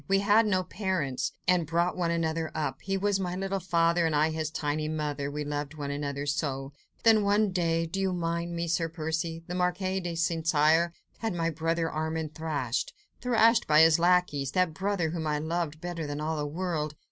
We had no parents, and brought one another up. He was my little father, and I, his tiny mother; we loved one another so. Then one day—do you mind me, Sir Percy? the Marquis de St. Cyr had my brother Armand thrashed—thrashed by his lacqueys—that brother whom I loved better than all the world!